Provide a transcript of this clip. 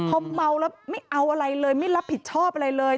พอเมาแล้วไม่เอาอะไรเลยไม่รับผิดชอบอะไรเลย